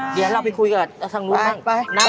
เดี๋ยวเราไปคุยกันกับแสดงลูกหน้าแม่